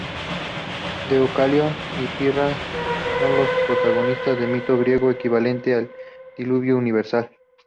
Deucalión y Pirra son los protagonistas del mito griego equivalente al diluvio universal.